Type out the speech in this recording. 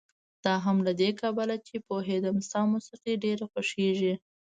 دا هم له دې کبله چې پوهېدم ستا موسيقي ډېره خوښېږي.